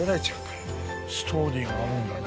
ストーリーがあるんだね。